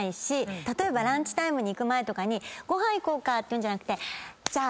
例えばランチタイムに行く前にご飯行こうかって言うんじゃなくてじゃあ